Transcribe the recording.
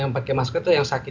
yang pakai masker itu yang sakit